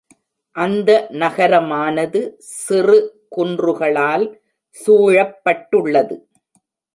அந்த நகரமானது சிறு குன்றுகளால் சூழப்பட்டுள்ளது.